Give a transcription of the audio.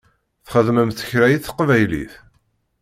Txedmemt kra i teqbaylit?